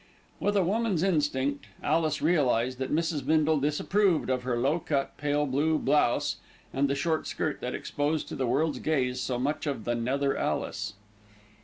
With a woman's instinct, Alice realised that Mrs. Bindle disapproved of her low cut, pale blue blouse, and the short skirt that exposed to the world's gaze so much of the nether Alice.